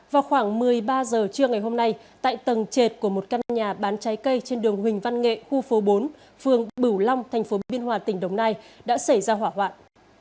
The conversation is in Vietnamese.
vào khoảng một mươi ba h trưa ngày hôm nay tại tầng trệt của một căn nhà bán trái cây trên đường huỳnh văn nghệ khu phố bốn phường bửu long thành phố biên hòa tỉnh đồng nai đã xảy ra hỏa hoạn